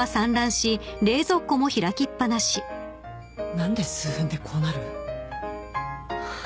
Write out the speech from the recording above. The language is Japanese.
・何で数分でこうなる？ハァ。